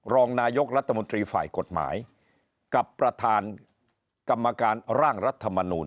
รองนายกรัฐมนตรีฝ่ายกฎหมายกับประธานกรรมการร่างรัฐมนูล